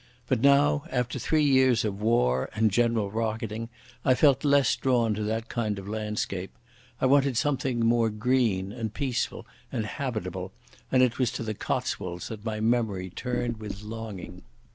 But now, after three years of war and general rocketing, I felt less drawn to that kind of landscape. I wanted something more green and peaceful and habitable, and it was to the Cotswolds that my memory turned with longing.